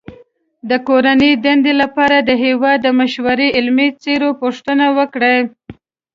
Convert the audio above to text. د کورنۍ دندې لپاره د هېواد د مشهورو علمي څیرو پوښتنه وکړئ.